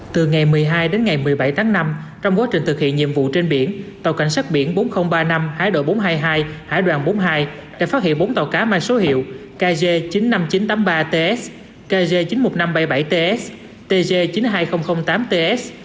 từ ngày một mươi hai đến ngày một mươi bảy tháng năm trong quá trình thực hiện nhiệm vụ trên biển tàu cảnh sát biển bốn nghìn ba mươi năm hải đội bốn trăm hai mươi hai hải đoàn bốn mươi hai đã phát hiện bốn tàu cá mang số hiệu kg chín mươi năm nghìn chín trăm tám mươi ba tsk chín mươi một nghìn năm trăm bảy mươi bảy ts tg chín mươi hai nghìn tám ts